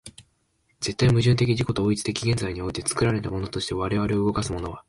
絶対矛盾的自己同一的現在において、作られたものとして我々を動かすものは、